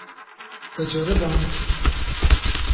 Te ceriband.